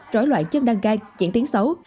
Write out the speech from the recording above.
rối loạn chân đăng gan diễn tiếng xấu